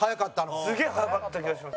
すげえ速かった気がします。